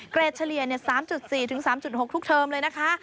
เฉลี่ย๓๔๓๖ทุกเทอมเลยนะคะ